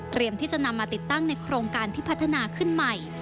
ที่จะนำมาติดตั้งในโครงการที่พัฒนาขึ้นใหม่